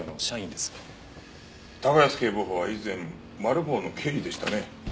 高安警部補は以前マル暴の刑事でしたね？